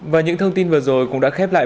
và những thông tin vừa rồi cũng đã khép lại